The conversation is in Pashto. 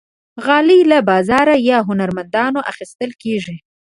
غالۍ له بازار یا هنرمندانو اخیستل کېږي.